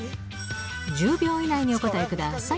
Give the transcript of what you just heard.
１０秒以内にお答えください。